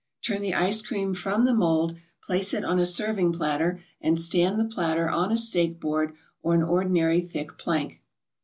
Turn the ice cream from the mold, place it on a serving platter, and stand the platter on a steak board or an ordinary thick plank.